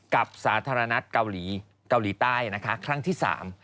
กับสาธารณัฐเกาหลีใต้ครั้งที่๓